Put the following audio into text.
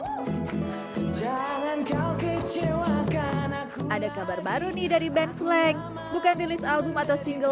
hai jangan kau kecewa karena aku ada kabar baru nih dari band slang bukan rilis album atau single